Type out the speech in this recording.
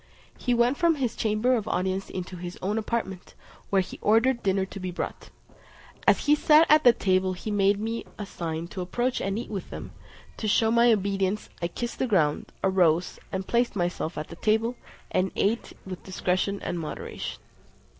He went from his chamber of audience into his own apartment, where he ordered dinner to be brought. As he sat at table he made me a sign to approach and eat with them: to shew my obedience I kissed the ground, arose, and placed myself at the table, and ate with discretion and moderation.